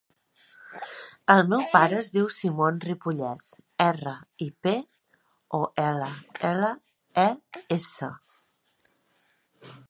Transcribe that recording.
El meu pare es diu Simon Ripolles: erra, i, pe, o, ela, ela, e, essa.